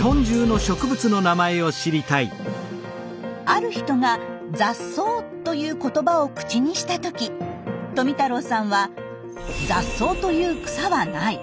ある人が「雑草」という言葉を口にした時富太郎さんは「雑草という草はない！